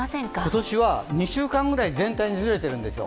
今年は２週間ぐらい全体にずれてるんですよ。